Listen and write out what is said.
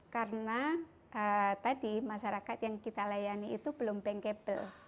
karena tadi masyarakat yang kita layani itu belum bankable